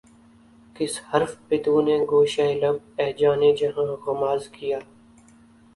کس حرف پہ تو نے گوشۂ لب اے جان جہاں غماز کیا